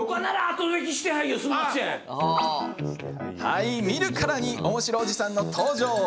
はい、見るからにおもしろおじさん登場！